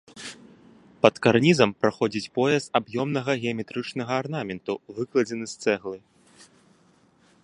Пад карнізам праходзіць пояс аб'ёмнага геаметрычнага арнаменту, выкладзены з цэглы.